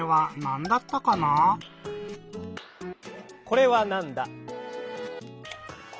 「これはなんだ？」。